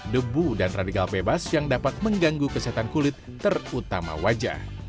debu dan radikal bebas yang dapat mengganggu kesehatan kulit terutama wajah